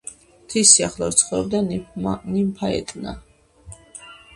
მთის სიახლოვეს ცხოვრობდა ნიმფა ეტნა.